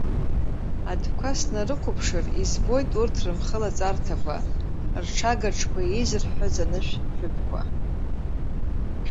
Адәқәа снарықәыԥшыр, избоит урҭ рымхылаҵарҭақәа, рҽагаҿқәа еизырҳәҳәаз анышә ҳәыԥқәа.